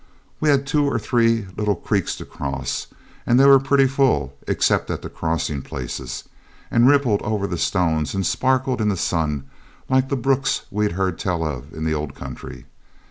We had two or three little creeks to cross, and they were pretty full, except at the crossing places, and rippled over the stones and sparkled in the sun like the brooks we'd heard tell of in the old country.